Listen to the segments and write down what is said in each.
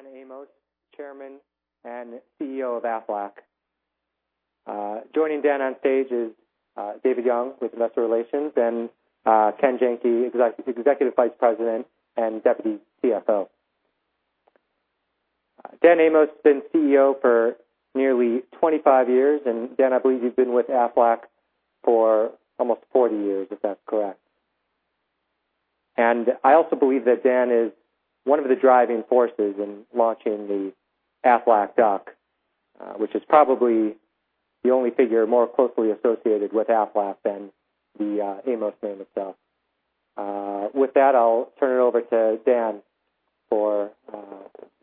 Dan Amos, Chairman and CEO of Aflac. Joining Dan on stage is David Young with investor relations and Ken Janke, Executive Vice President and Deputy CFO. Dan Amos has been CEO for nearly 25 years. Dan, I believe you've been with Aflac for almost 40 years if that's correct. I also believe that Dan is one of the driving forces in launching the Aflac Duck, which is probably the only figure more closely associated with Aflac than the Amos name itself. With that, I'll turn it over to Dan for a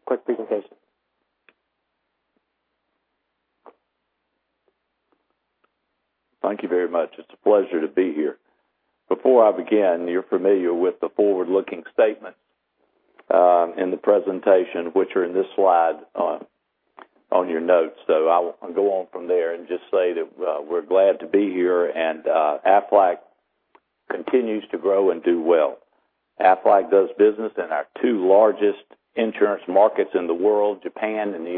quick presentation. Thank you very much. It's a pleasure to be here. Before I begin, you're familiar with the forward-looking statements in the presentation, which are in this slide on your notes. I will go on from there and just say that we're glad to be here and Aflac continues to grow and do well. Aflac does business in our two largest insurance markets in the world, Japan and the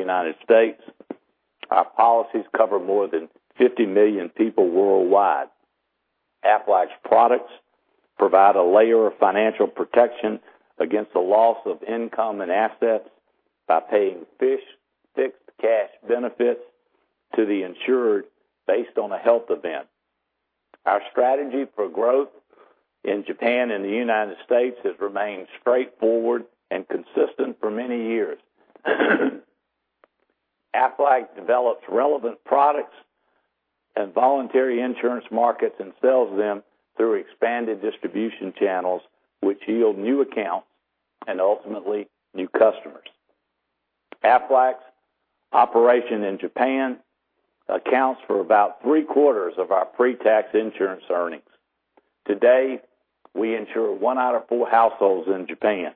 U.S. Our policies cover more than 50 million people worldwide. Aflac's products provide a layer of financial protection against the loss of income and assets by paying fixed cash benefits to the insured based on a health event. Our strategy for growth in Japan and the U.S. has remained straightforward and consistent for many years. Aflac develops relevant products and voluntary insurance markets and sells them through expanded distribution channels, which yield new accounts and ultimately new customers. Aflac's operation in Japan accounts for about three-quarters of our pre-tax insurance earnings. Today, we insure one out of four households in Japan.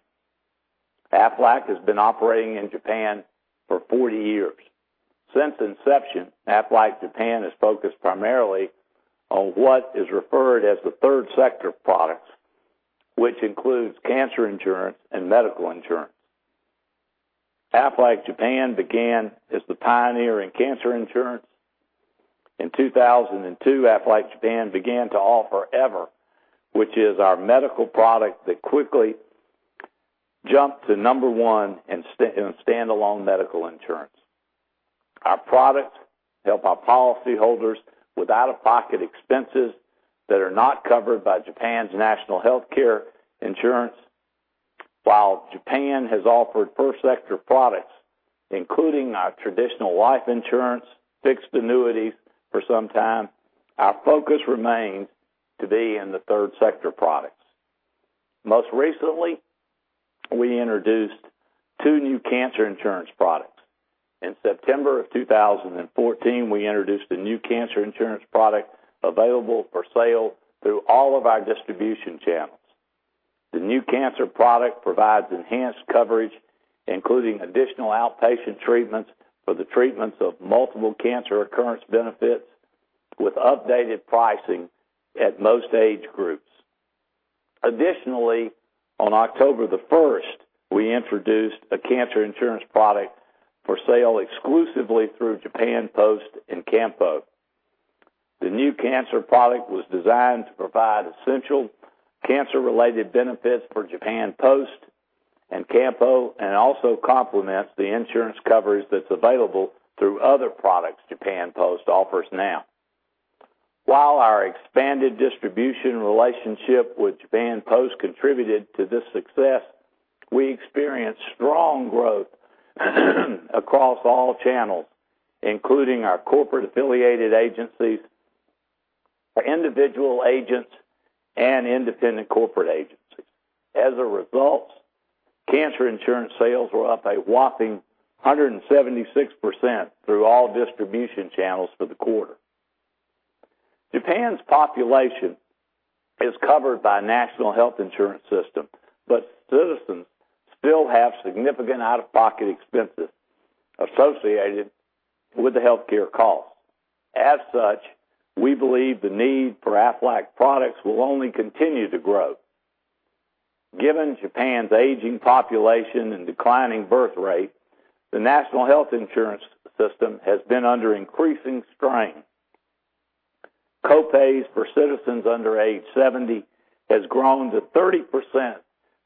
Aflac has been operating in Japan for 40 years. Since inception, Aflac Japan has focused primarily on what is referred as the third sector products, which includes cancer insurance and medical insurance. Aflac Japan began as the pioneer in cancer insurance. In 2002, Aflac Japan began to offer EVER, which is our medical product that quickly jumped to number one in standalone medical insurance. Our products help our policyholders with out-of-pocket expenses that are not covered by Japan's national health insurance system. While Japan has offered first sector products, including our traditional life insurance, fixed annuities for some time, our focus remains to be in the third sector products. Most recently, we introduced two new cancer insurance products. In September of 2014, we introduced a new cancer insurance product available for sale through all of our distribution channels. The new cancer product provides enhanced coverage, including additional outpatient treatments for the treatments of multiple cancer occurrence benefits with updated pricing at most age groups. Additionally, on October the 1st, we introduced a cancer insurance product for sale exclusively through Japan Post and Kampo. The new cancer product was designed to provide essential cancer-related benefits for Japan Post and Kampo and also complements the insurance coverage that's available through other products Japan Post offers now. While our expanded distribution relationship with Japan Post contributed to this success, we experienced strong growth across all channels, including our corporate affiliated agencies, our individual agents, and independent corporate agencies. As a result, cancer insurance sales were up a whopping 176% through all distribution channels for the quarter. Japan's population is covered by a national health insurance system, but citizens still have significant out-of-pocket expenses associated with the healthcare costs. We believe the need for Aflac products will only continue to grow. Given Japan's aging population and declining birth rate, the national health insurance system has been under increasing strain. Co-pays for citizens under age 70 has grown to 30%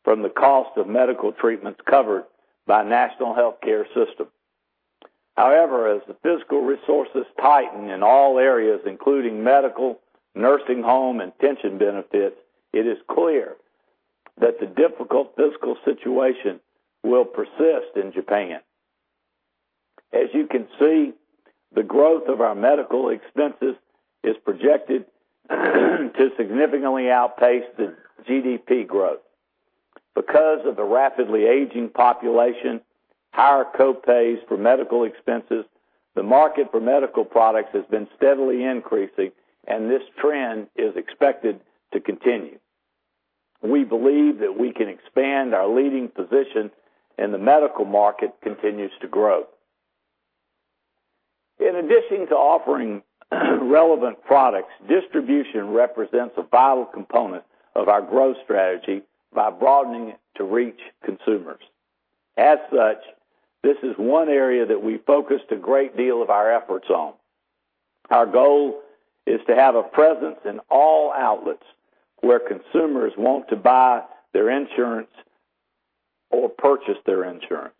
from the cost of medical treatments covered by national health insurance system. As the fiscal resources tighten in all areas, including medical, nursing home, and pension benefits, it is clear that the difficult fiscal situation will persist in Japan. As you can see, the growth of our medical expenses is projected to significantly outpace the GDP growth. Because of the rapidly aging population, higher co-pays for medical expenses, the market for medical products has been steadily increasing, and this trend is expected to continue. We believe that we can expand our leading position, and the medical market continues to grow. In addition to offering relevant products, distribution represents a vital component of our growth strategy by broadening it to reach consumers. This is one area that we focused a great deal of our efforts on. Our goal is to have a presence in all outlets where consumers want to buy their insurance or purchase their insurance.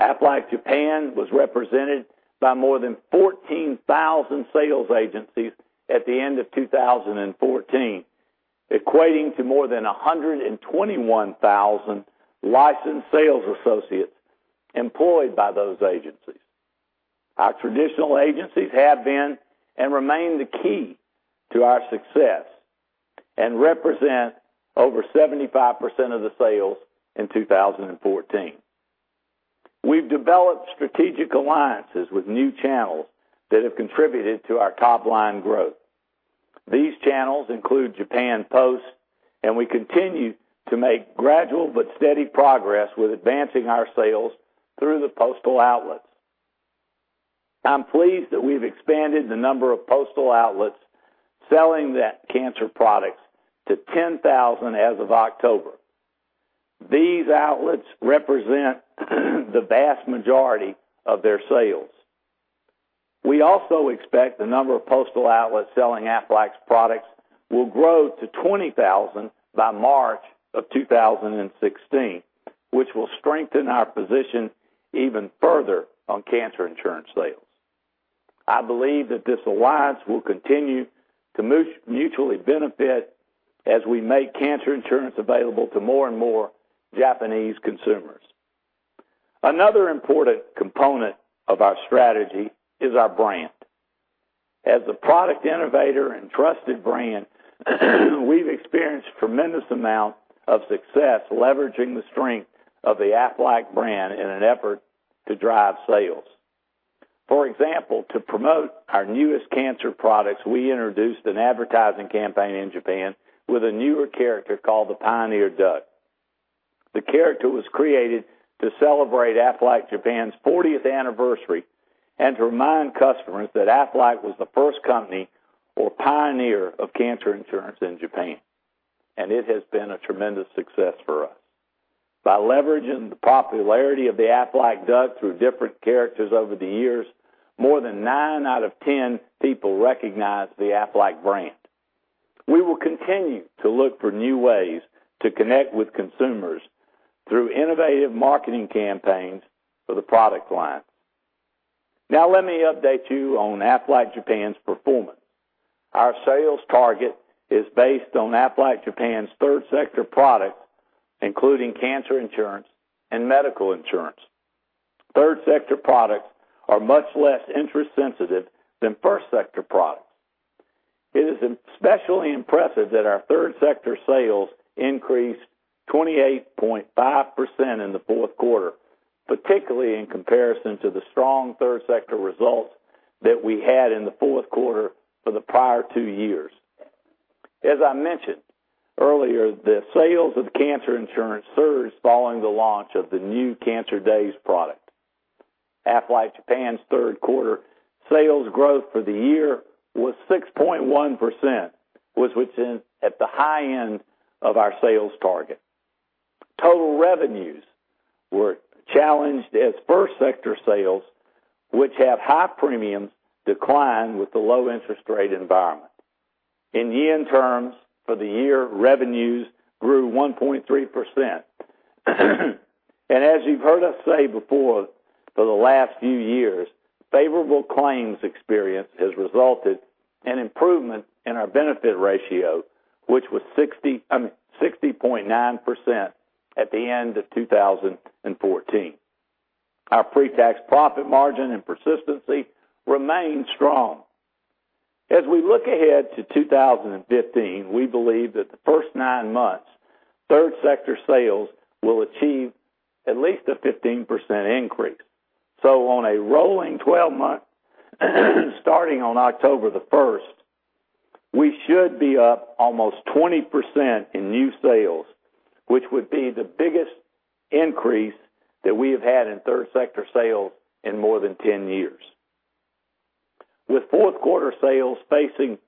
Aflac Japan was represented by more than 14,000 sales agencies at the end of 2014, equating to more than 121,000 licensed sales associates employed by those agencies. Our traditional agencies have been and remain the key to our success and represent over 75% of the sales in 2014. We've developed strategic alliances with new channels that have contributed to our top-line growth. These channels include Japan Post. We continue to make gradual but steady progress with advancing our sales through the postal outlets. I'm pleased that we've expanded the number of postal outlets selling the cancer products to 10,000 as of October. These outlets represent the vast majority of their sales. We also expect the number of postal outlets selling Aflac's products will grow to 20,000 by March of 2016, which will strengthen our position even further on cancer insurance sales. I believe that this alliance will continue to mutually benefit as we make cancer insurance available to more and more Japanese consumers. Another important component of our strategy is our brand. As a product innovator and trusted brand, we've experienced tremendous amount of success leveraging the strength of the Aflac brand in an effort to drive sales. For example, to promote our newest cancer products, we introduced an advertising campaign in Japan with a newer character called the Pioneer Duck. The character was created to celebrate Aflac Japan's 40th anniversary and to remind customers that Aflac was the first company or pioneer of cancer insurance in Japan, and it has been a tremendous success for us. By leveraging the popularity of the Aflac Duck through different characters over the years, more than nine out of 10 people recognize the Aflac brand. We will continue to look for new ways to connect with consumers through innovative marketing campaigns for the product line. Let me update you on Aflac Japan's performance. Our sales target is based on Aflac Japan's third sector products, including cancer insurance and medical insurance. Third sector products are much less interest sensitive than first sector products. It is especially impressive that our third sector sales increased 28.5% in the fourth quarter, particularly in comparison to the strong third sector results that we had in the fourth quarter for the prior two years. As I mentioned earlier, the sales of cancer insurance surged following the launch of the New Cancer DAYS product. Aflac Japan's third quarter sales growth for the year was 6.1%, which was at the high end of our sales target. Total revenues were challenged as first sector sales, which have high premiums, declined with the low interest rate environment. In yen terms for the year, revenues grew 1.3%. As you've heard us say before for the last few years, favorable claims experience has resulted in improvement in our benefit ratio, which was 60, I mean, 60.9% at the end of 2014. Our pre-tax profit margin and persistency remain strong. On a rolling 12 months starting on October the 1st, we should be up almost 20% in new sales, which would be the biggest increase that we have had in third sector sales in more than 10 years. With fourth quarter sales facing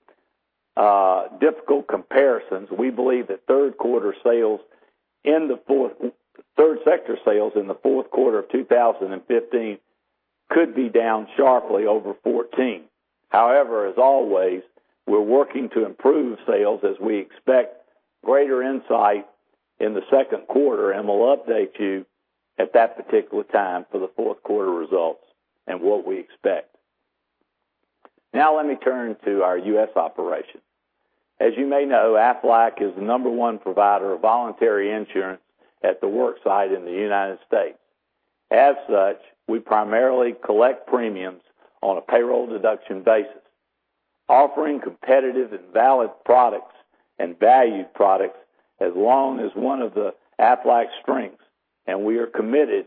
difficult comparisons, we believe that third quarter sales in the third sector sales in the fourth quarter of 2015 could be down sharply over 2014. However, as always, we're working to improve sales as we expect greater insight in the second quarter, and we'll update you at that particular time for the fourth quarter results and what we expect. Let me turn to our U.S. operation. You may know, Aflac is the number one provider of voluntary insurance at the worksite in the U.S. Such, we primarily collect premiums on a payroll deduction basis. Offering competitive and valued products has long as one of the Aflac strengths, and we are committed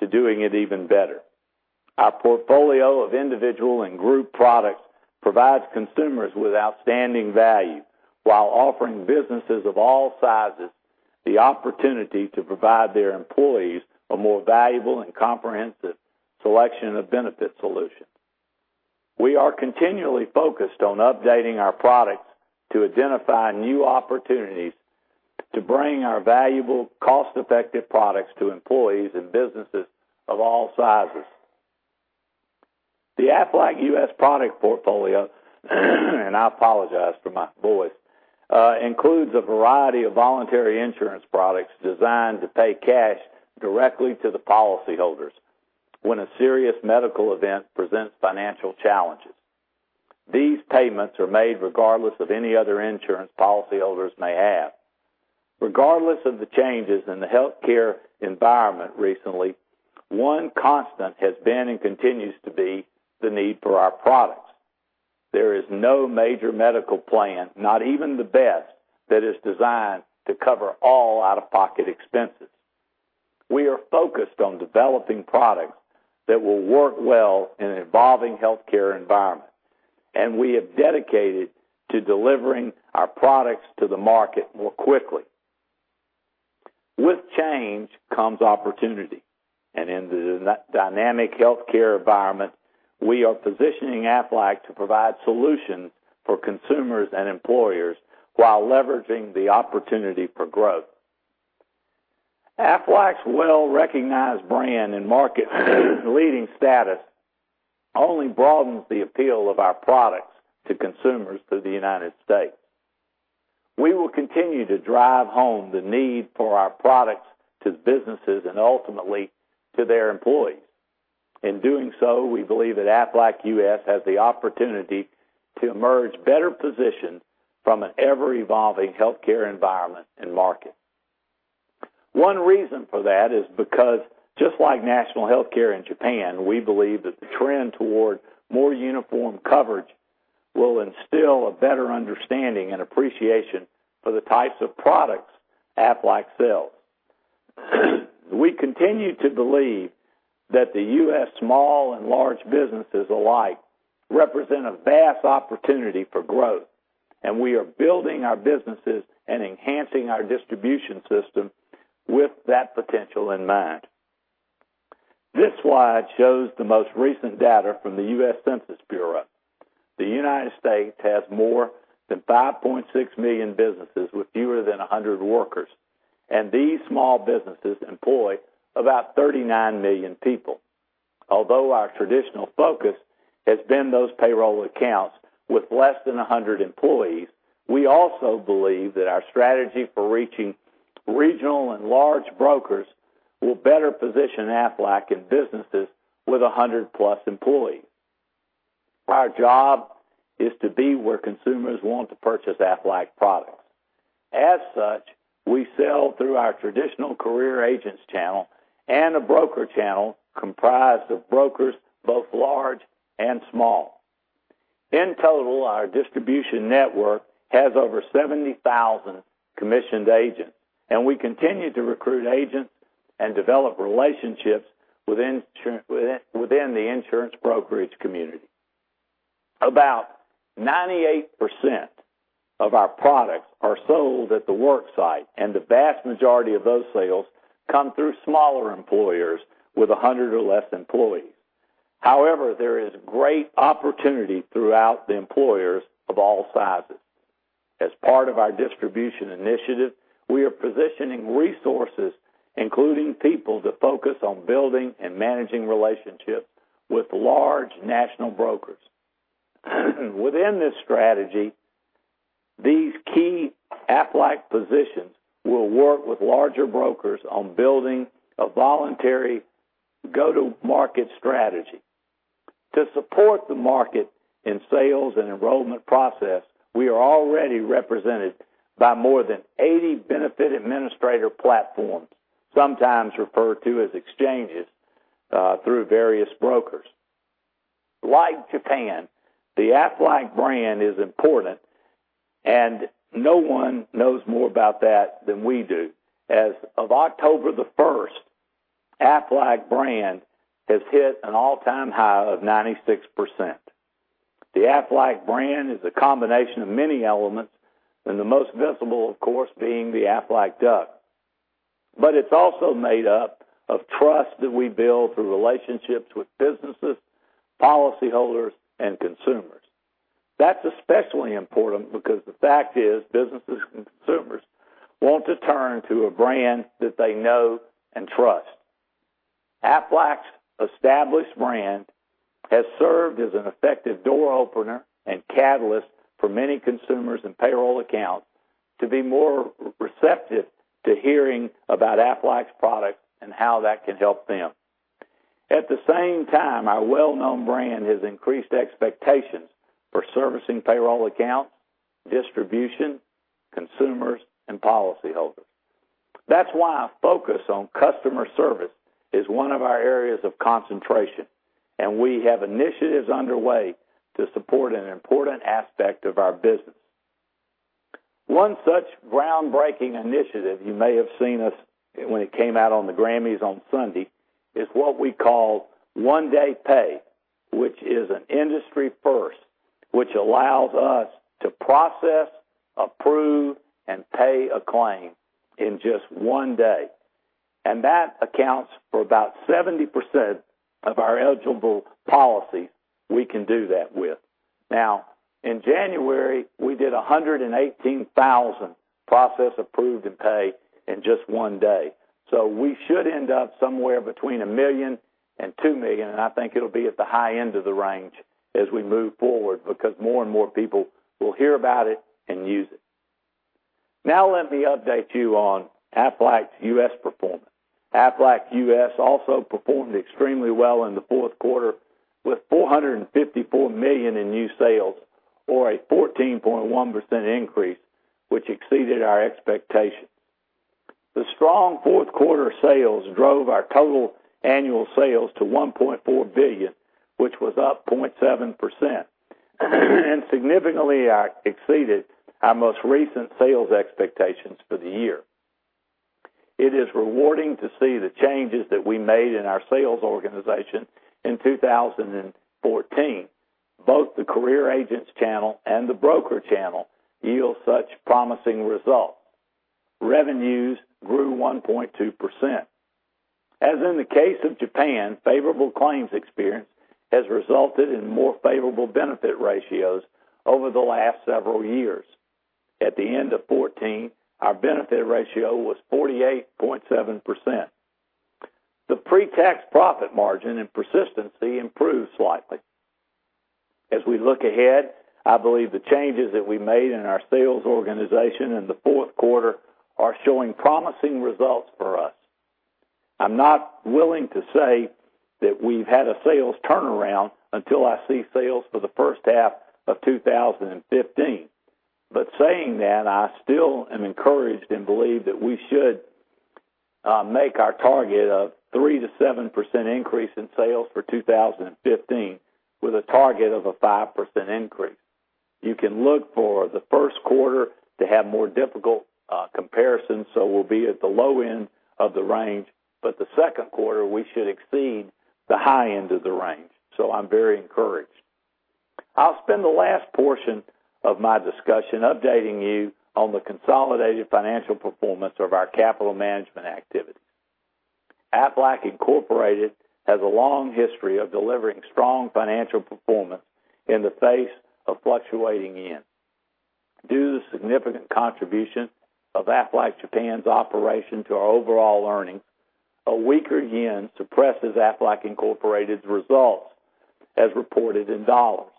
to doing it even better. Our portfolio of individual and group products provides consumers with outstanding value while offering businesses of all sizes the opportunity to provide their employees a more valuable and comprehensive selection of benefit solutions. We are continually focused on updating our products to identify new opportunities to bring our valuable, cost-effective products to employees and businesses of all sizes. The Aflac U.S. product portfolio, and I apologize for my voice, includes a variety of voluntary insurance products designed to pay cash directly to the policyholders when a serious medical event presents financial challenges. These payments are made regardless of any other insurance policyholders may have. Regardless of the changes in the healthcare environment recently, one constant has been and continues to be the need for our products. There is no major medical plan, not even the best, that is designed to cover all out-of-pocket expenses. We are focused on developing products that will work well in an evolving healthcare environment, and we have dedicated to delivering our products to the market more quickly. Change comes opportunity, and in the dynamic healthcare environment, we are positioning Aflac to provide solutions for consumers and employers, while leveraging the opportunity for growth. Aflac's well-recognized brand and market leading status only broadens the appeal of our products to consumers through the U.S. We will continue to drive home the need for our products to businesses and ultimately to their employees. In doing so, we believe that Aflac U.S. has the opportunity to emerge better positioned from an ever-evolving healthcare environment and market. One reason for that is because just like national health insurance system in Japan, we believe that the trend toward more uniform coverage will instill a better understanding and appreciation for the types of products Aflac sells. We continue to believe that the U.S. small and large businesses alike represent a vast opportunity for growth, and we are building our businesses and enhancing our distribution system with that potential in mind. This slide shows the most recent data from the U.S. Census Bureau. The United States has more than 5.6 million businesses with fewer than 100 workers, and these small businesses employ about 39 million people. Although our traditional focus has been those payroll accounts with less than 100 employees, we also believe that our strategy for reaching regional and large brokers will better position Aflac in businesses with 100-plus employees. Our job is to be where consumers want to purchase Aflac products. As such, we sell through our traditional career agents channel and a broker channel comprised of brokers, both large and small. In total, our distribution network has over 70,000 commissioned agents, and we continue to recruit agents and develop relationships within the insurance brokerage community. About 98% of our products are sold at the work site, and the vast majority of those sales come through smaller employers with 100 or less employees. However, there is great opportunity throughout the employers of all sizes. As part of our distribution initiative, we are positioning resources, including people, to focus on building and managing relationships with large national brokers. Within this strategy, these key Aflac positions will work with larger brokers on building a voluntary go-to-market strategy. To support the market in sales and enrollment process, we are already represented by more than 80 benefit administrator platforms, sometimes referred to as exchanges, through various brokers. Like Japan, the Aflac brand is important, and no one knows more about that than we do. As of October the 1st, Aflac brand has hit an all-time high of 96%. The Aflac brand is a combination of many elements, and the most visible, of course, being the Aflac Duck. It's also made up of trust that we build through relationships with businesses, policyholders, and consumers. That's especially important because the fact is businesses and consumers want to turn to a brand that they know and trust. Aflac's established brand has served as an effective door opener and catalyst for many consumers and payroll accounts to be more receptive to hearing about Aflac's products and how that can help them. At the same time, our well-known brand has increased expectations for servicing payroll accounts, distribution, consumers, and policyholders. That's why our focus on customer service is one of our areas of concentration, and we have initiatives underway to support an important aspect of our business. One such groundbreaking initiative you may have seen us when it came out on the Grammys on Sunday, is what we call One Day Pay, which is an industry first. It allows us to process, approve, and pay a claim in just one day. That accounts for about 70% of our eligible policies we can do that with. In January, we did 118,000 process, approved, and paid in just one day. We should end up somewhere between 1 million and 2 million, and I think it'll be at the high end of the range as we move forward because more and more people will hear about it and use it. Let me update you on Aflac's U.S. performance. Aflac U.S. also performed extremely well in the fourth quarter with $454 million in new sales or a 14.1% increase, which exceeded our expectations. The strong fourth quarter sales drove our total annual sales to $1.4 billion, which was up 0.7%. Significantly exceeded our most recent sales expectations for the year. It is rewarding to see the changes that we made in our sales organization in 2014, both the career agents channel and the broker channel yield such promising results. Revenues grew 1.2%. As in the case of Japan, favorable claims experience has resulted in more favorable benefit ratios over the last several years. At the end of 2014, our benefit ratio was 48.7%. The pre-tax profit margin and persistency improved slightly. As we look ahead, I believe the changes that we made in our sales organization in the fourth quarter are showing promising results for us. I'm not willing to say that we've had a sales turnaround until I see sales for the first half of 2015. Saying that, I still am encouraged and believe that we should make our target of 3%-7% increase in sales for 2015 with a target of a 5% increase. You can look for the first quarter to have more difficult comparisons, so we'll be at the low end of the range. The second quarter, we should exceed the high end of the range. I'm very encouraged. I'll spend the last portion of my discussion updating you on the consolidated financial performance of our capital management activity. Aflac Incorporated has a long history of delivering strong financial performance in the face of fluctuating yen. Due to the significant contribution of Aflac Japan's operation to our overall earnings, a weaker yen suppresses Aflac Incorporated's results as reported in dollars.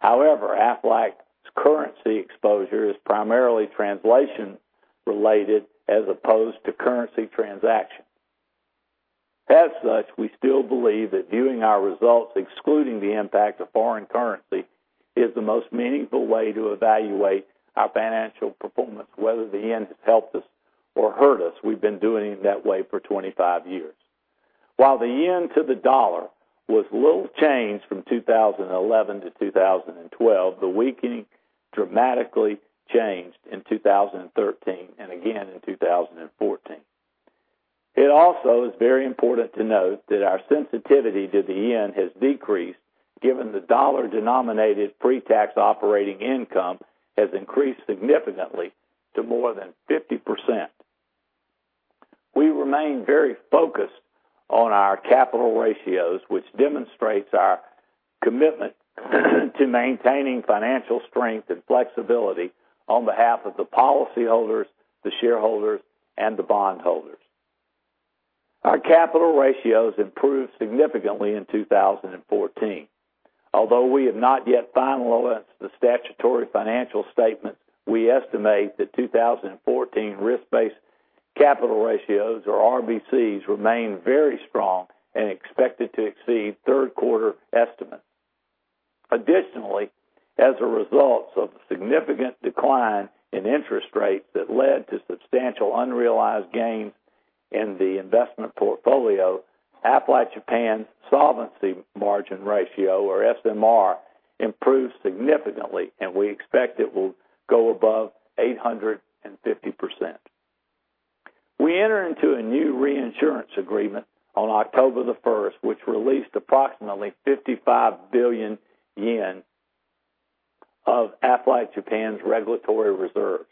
However, Aflac's currency exposure is primarily translation-related as opposed to currency transaction. As such, we still believe that viewing our results excluding the impact of foreign currency is the most meaningful way to evaluate our financial performance, whether the yen has helped us or hurt us. We've been doing it that way for 25 years. While the yen to the dollar was little changed from 2011 to 2012, the weakening dramatically changed in 2013 and again in 2014. It also is very important to note that our sensitivity to the yen has decreased given the dollar-denominated pre-tax operating income has increased significantly to more than 50%. We remain very focused on our capital ratios, which demonstrates our commitment to maintaining financial strength and flexibility on behalf of the policyholders, the shareholders, and the bondholders. Our capital ratios improved significantly in 2014. Although we have not yet finalized the statutory financial statements, we estimate that 2014 risk-based capital ratios, or RBCs, remain very strong and expected to exceed third quarter estimates. Additionally, as a result of the significant decline in interest rates that led to substantial unrealized gains in the investment portfolio, Aflac Japan's solvency margin ratio, or SMR, improved significantly, and we expect it will go above 850%. We enter into a new reinsurance agreement on October the 1st, which released approximately 55 billion yen of Aflac Japan's regulatory reserves.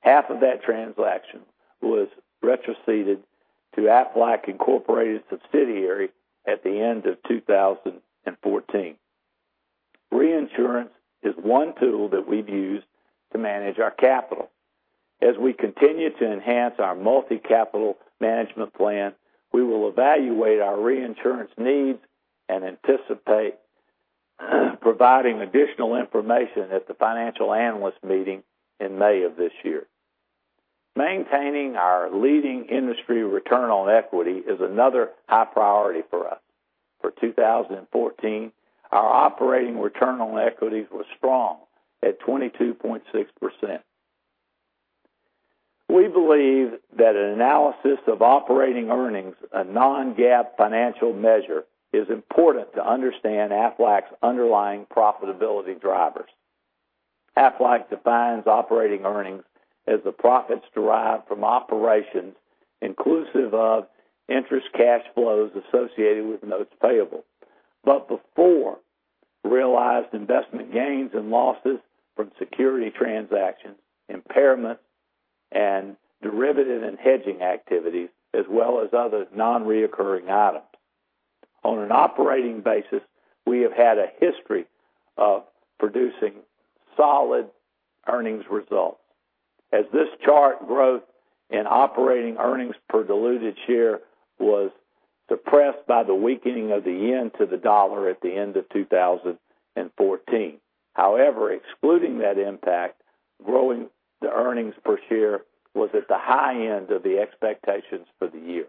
Half of that transaction was retroceded to Aflac Incorporated subsidiary at the end of 2014. Reinsurance is one tool that we've used to manage our capital. As we continue to enhance our multi-capital management plan, we will evaluate our reinsurance needs and anticipate providing additional information at the financial analyst meeting in May of this year. Maintaining our leading industry return on equity is another high priority for us. For 2014, our operating return on equity was strong at 22.6%. We believe that an analysis of operating earnings, a non-GAAP financial measure, is important to understand Aflac's underlying profitability drivers. Aflac defines operating earnings as the profits derived from operations inclusive of interest cash flows associated with notes payable, but before realized investment gains and losses from security transactions, impairment, and derivative and hedging activities, as well as other non-reoccurring items. On an operating basis, we have had a history of producing solid earnings results. As this chart growth in operating earnings per diluted share was depressed by the weakening of the yen to the dollar at the end of 2014. Excluding that impact, growing the earnings per share was at the high end of the expectations for the year.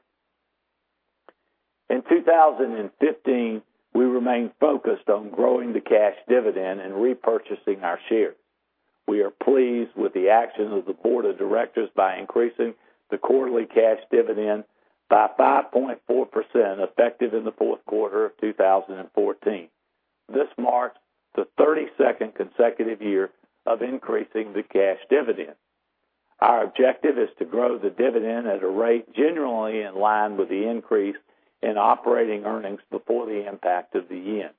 In 2015, we remained focused on growing the cash dividend and repurchasing our shares. We are pleased with the actions of the board of directors by increasing the quarterly cash dividend by 5.4% effective in the fourth quarter of 2014. This marks the 32nd consecutive year of increasing the cash dividend. Our objective is to grow the dividend at a rate generally in line with the increase in operating earnings before the impact of the yen.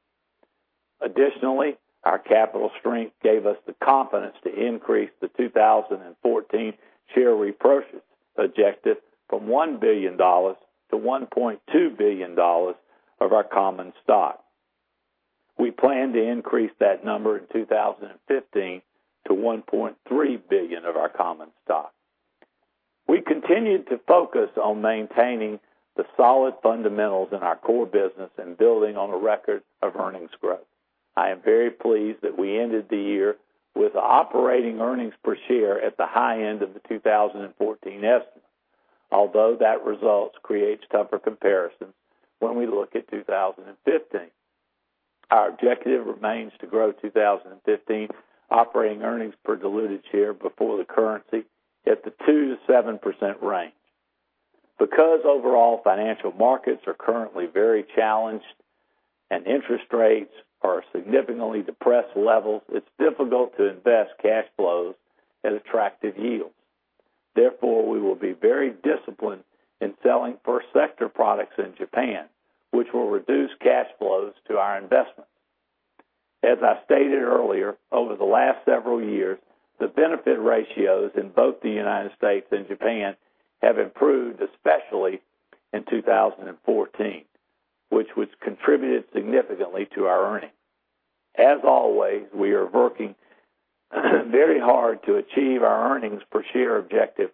Our capital strength gave us the confidence to increase the 2014 share repurchase objective from $1 billion to $1.2 billion of our common stock. We plan to increase that number in 2015 to $1.3 billion of our common stock. We continued to focus on maintaining the solid fundamentals in our core business and building on a record of earnings growth. I am very pleased that we ended the year with operating earnings per share at the high end of the 2014 estimate, although that result creates tougher comparisons when we look at 2015. Our objective remains to grow 2015 operating earnings per diluted share before the currency at the 2%-7% range. Overall financial markets are currently very challenged and interest rates are at significantly depressed levels, it's difficult to invest cash flows at attractive yields. We will be very disciplined in selling First Sector products in Japan, which will reduce cash flows to our investments. As I stated earlier, over the last several years, the benefit ratios in both the United States and Japan have improved, especially in 2014, which has contributed significantly to our earnings. As always, we are working very hard to achieve our earnings per share objective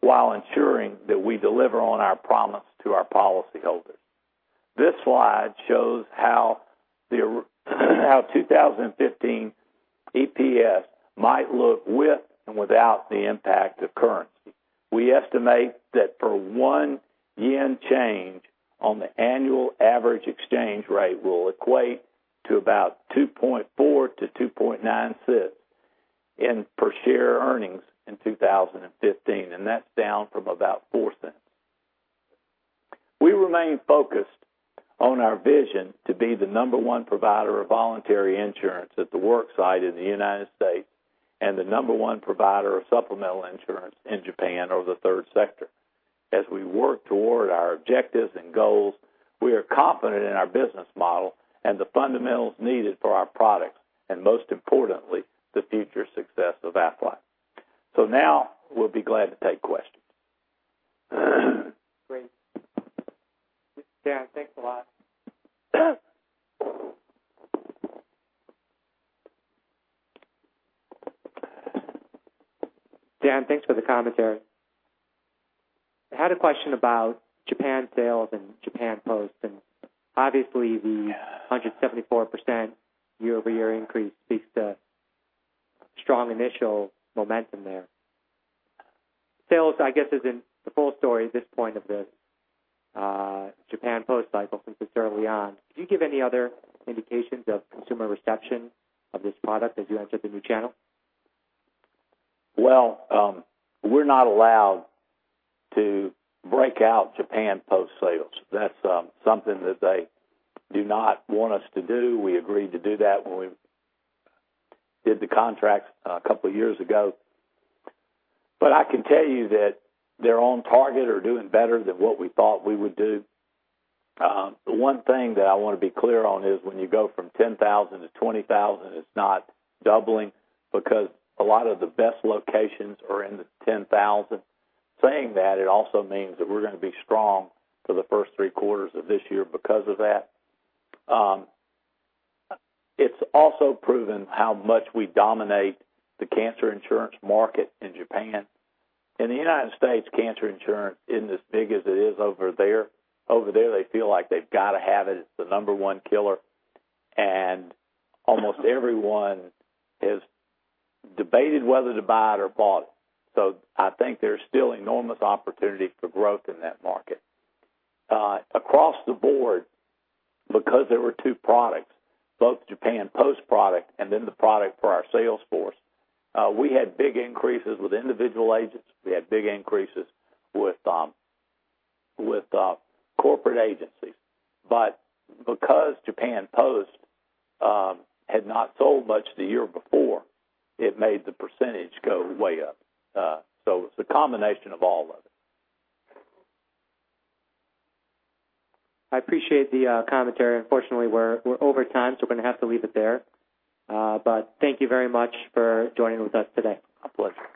while ensuring that we deliver on our promise to our policyholders. This slide shows how 2015 EPS might look with and without the impact of currency. We estimate that per 1 yen change on the annual average exchange rate will equate to about $0.024-$0.029 in per share earnings in 2015, and that's down from about $0.04. We remain focused on our vision to be the number one provider of voluntary insurance at the work site in the U.S. and the number one provider of supplemental insurance in Japan over the third sector. As we work toward our objectives and goals, we are confident in our business model and the fundamentals needed for our products, and most importantly, the future success of Aflac. Now, we'll be glad to take questions. Great. Dan, thanks a lot. Dan, thanks for the commentary. I had a question about Japan sales and Japan Post and obviously the 174% year-over-year increase speaks to strong initial momentum there. Sales, I guess, isn't the full story at this point of the Japan Post cycle since it's early on. Could you give any other indications of consumer reception of this product as you enter the new channel? Well, we're not allowed to break out Japan Post sales. That's something that they do not want us to do. We agreed to do that when we did the contract a couple of years ago. I can tell you that they're on target or doing better than what we thought we would do. One thing that I want to be clear on is when you go from 10,000 to 20,000, it's not doubling because a lot of the best locations are in the 10,000. Saying that, it also means that we're going to be strong for the first three quarters of this year because of that. It's also proven how much we dominate the cancer insurance market in Japan. In the U.S., cancer insurance isn't as big as it is over there. Over there, they feel like they've got to have it. It's the number one killer. Almost everyone has debated whether to buy it or bought it. I think there's still enormous opportunity for growth in that market. Across the board, because there were two products, both Japan Post product and then the product for our sales force, we had big increases with individual agents. We had big increases with corporate agencies. Because Japan Post had not sold much the year before, it made the percentage go way up. It's a combination of all of it. I appreciate the commentary. Unfortunately, we're over time, we're going to have to leave it there. Thank you very much for joining with us today. My pleasure.